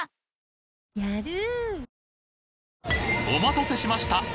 お待たせしました！